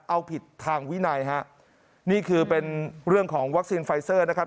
เอาผิดทางวินัยฮะนี่คือเป็นเรื่องของวัคซีนไฟเซอร์นะครับ